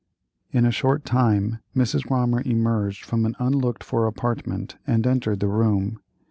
In a short time Mrs. Grommer emerged from an unlooked for apartment and entered the room.